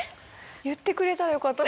言ってくれたらよかった。